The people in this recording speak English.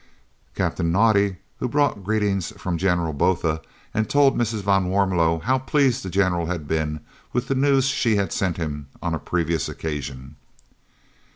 Captain Naudé also brought greetings from General Botha and told Mrs. van Warmelo how pleased the General had been with the news she had sent him on a previous occasion.